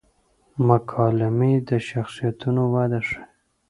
مکالمې د شخصیتونو وده ښيي.